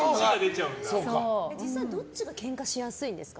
実際、どっちのほうがケンカしやすいんですか？